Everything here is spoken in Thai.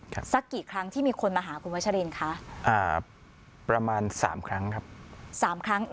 สักกี่ครั้งที่มีคนมาหาคุณวัชรินคะอ่าประมาณสามครั้งครับสามครั้ง